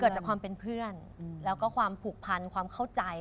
จากความเป็นเพื่อนแล้วก็ความผูกพันความเข้าใจ